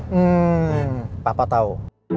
hmm papa tau